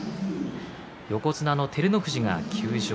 横綱の照ノ富士が休場。